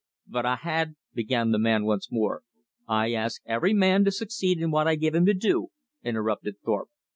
"But I had " began the man once more. "I ask every man to succeed in what I give him to do," interrupted Thorpe.